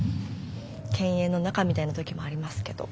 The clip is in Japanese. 犬猿の仲みたいな時もありますけど。